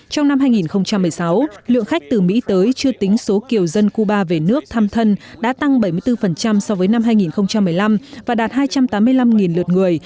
trong năm hai nghìn một mươi sáu lượng khách từ mỹ tới chưa tính số kiều dân cuba về nước thăm thân đã tăng bảy mươi bốn so với năm hai nghìn một mươi năm và đạt hai trăm tám mươi năm lượt người